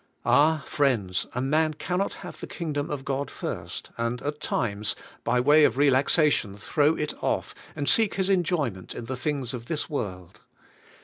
Ah, friends, a man cannot have the Kingdom of God first, and at times, by way of relaxation, throw it off and seek his en joyment in the things of this world.